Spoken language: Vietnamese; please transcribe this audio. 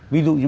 ví dụ như